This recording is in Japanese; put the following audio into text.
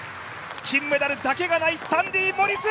金メダルだけがないサンディ・モリス！